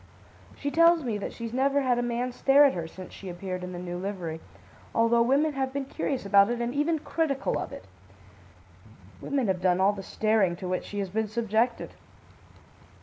She tells me that she's never had a man stare at her since she appeared in the new livery, although women have been curious about it and even critical of it. Women have done all the staring to which she has been subjected.